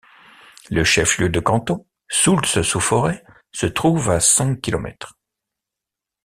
Le chef-lieu de canton, Soultz-sous-Forêts, se trouve à cinq kilomètres.